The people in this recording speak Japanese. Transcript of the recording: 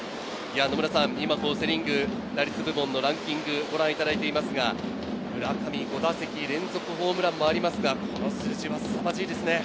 今、セ・リーグ、打率部門のランキングをご覧いただいていますが、村上５打席連続ホームランもありますが、この数字はすさまじいですね。